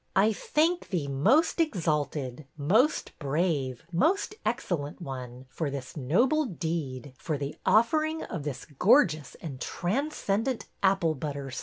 I thank thee, most exalted, most brave, most excellent one, for this noble deed, for the offering of this gorgeous and transcendent Apple butter Stirrer."